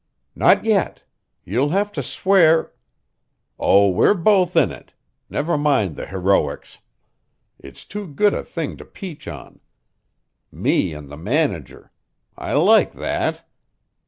"Not yet. You'll have to swear " "Oh, we're both in it. Never mind the heroics. It's too good a thing to peach on. Me and the manager! I like that.